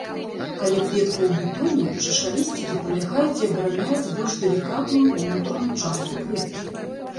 Калі кветка ў бутоне, чашалісцікі прылягаюць і абараняюць больш далікатную ўнутраную частку кветкі.